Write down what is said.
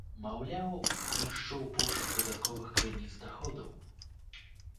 Маўляў, ішоў пошук дадатковых крыніц даходаў.